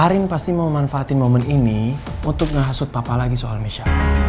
arin pasti mau manfaatin momen ini untuk menghasut papa lagi soal misha